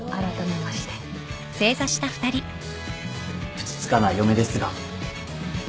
ふつつかな嫁ですが。